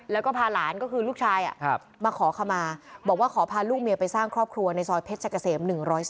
แล้วก็พาหลานก็คือลูกชายมาขอขมาบอกว่าขอพาลูกเมียไปสร้างครอบครัวในซอยเพชรเกษม๑๐๒